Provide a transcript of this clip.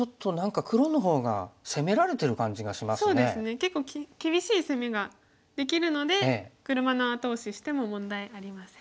結構厳しい攻めができるので「車の後押し」しても問題ありません。